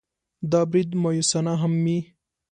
دا برید مأیوسانه هم وي.